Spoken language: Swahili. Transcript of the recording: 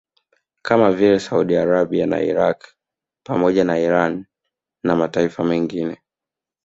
Kama vile Saudi Arabia na Iraq pamoja na Irani na mataifa mengine